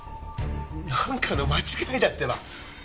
なんかの間違いだってば。